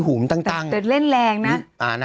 อ๋อแต่ต้นเล่นแลงนะ